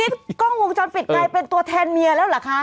นี่คลั่งวงจอนปิดไงเป็นตัวแทนเมียแล้วเหรอคะ